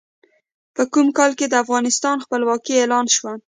په کوم کال کې د افغانستان خپلواکي اعلان شوه؟